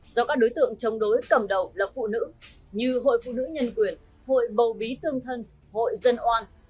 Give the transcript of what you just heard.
do các đối tượng chống đối cầm đầu là phụ nữ như hội phụ nữ nhân quyền hội bầu bí tương thân hội dân oan